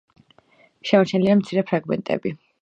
შემორჩენილია მცირე ფრაგმენტები.